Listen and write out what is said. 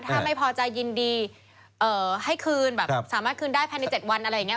ถ้าไม่พอใจยินดีให้คืนแบบสามารถคืนได้ภายใน๗วันอะไรอย่างนี้